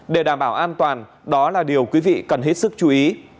để đảm bảo an toàn đó là điều quý vị cần hết sức chú ý